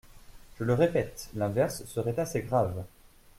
Je le répète : l’inverse serait assez grave.